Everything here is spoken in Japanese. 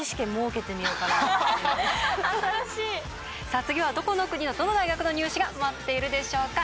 さあ次はどこの国のどの大学のニュー試が待っているでしょうか。